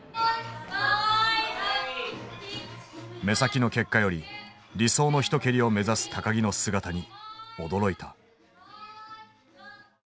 目先の結果より理想の一蹴りを目指す木の姿に驚いた。